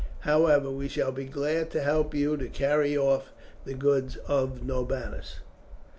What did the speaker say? However, we shall be glad to help you to carry off the goods of Norbanus."